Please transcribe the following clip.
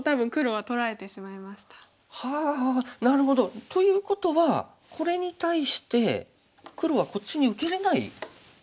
はあはあなるほど！ということはこれに対して黒はこっちに受けれない。